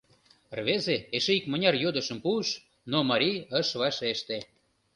Рвезе эше икмыняр йодышым пуыш, но марий ыш вашеште.